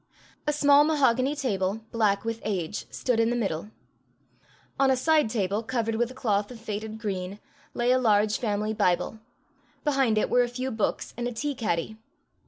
A small mahogany table, black with age, stood in the middle. On a side table covered with a cloth of faded green, lay a large family Bible; behind it were a few books and a tea caddy.